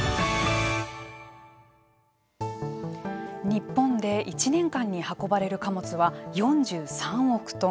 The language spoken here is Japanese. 日本で１年間に運ばれる貨物は４３億トン。